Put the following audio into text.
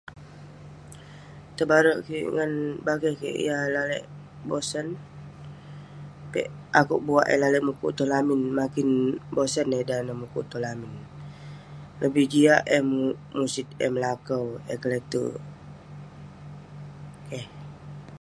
tebare' kik ngan bakeh kik yah lalek bosan, akeuk buwa'rk eh lalek mukuk tong lamin..makin bosan eh dan neh mukuk tong lamin..lebih jiak eh musit, eh melakau, eh kle'terk..keh..